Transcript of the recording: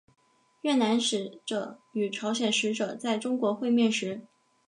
越南使者与朝鲜使者在中国会面时。